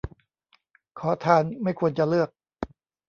ขอทานไม่ควรจะเลือก